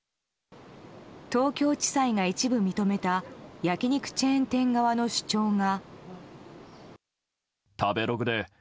東京地裁が一部認めた焼き肉チェーン店側の主張が。